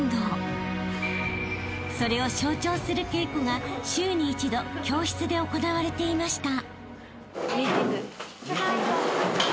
［それを象徴する稽古が週に一度教室で行われていました］